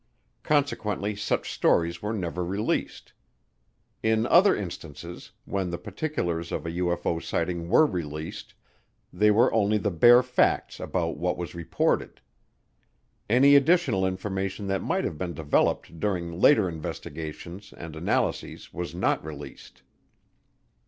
Consequently such stories were never released. In other instances, when the particulars of a UFO sighting were released, they were only the bare facts about what was reported. Any additional information that might have been developed during later investigations and analyses was not released.